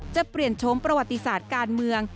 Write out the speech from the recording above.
จะเปลี่ยนโฉมประวัติศาสตร์การเมือง